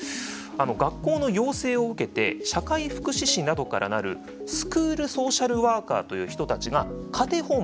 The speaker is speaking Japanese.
学校の要請を受けて社会福祉士などから成るスクールソーシャルワーカーという人たちが家庭訪問を行います。